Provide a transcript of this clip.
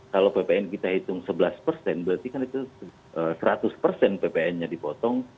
kalau ppn kita hitung sebelas persen berarti kan itu seratus persen ppn nya dipotong